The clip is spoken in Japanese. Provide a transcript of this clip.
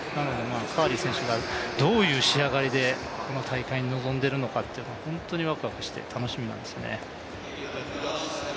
カーリー選手がどういう仕上がりでこの大会に臨んでいるのかが本当にワクワクして、楽しみなんですね。